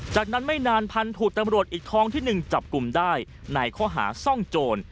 จากนั้นไม่นานพันธุ์ถูกตำรวจอีกท้องที่๑จับกลุ่มได้ในข้อหาซ่องโจร